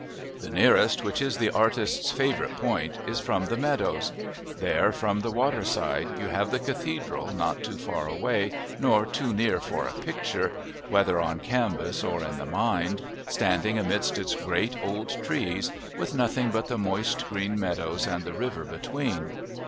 The nearest, which is the artist's favourite point, is from the meadows; there, from the waterside, you have the cathedral not too far away nor too near for a picture, whether on canvas or in the mind, standing amidst its great old trees, with nothing but the moist green meadows and the river between.